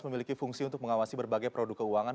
memiliki fungsi untuk mengawasi berbagai produk keuangan